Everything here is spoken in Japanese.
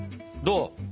どう？